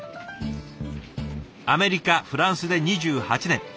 アメリカフランスで２８年。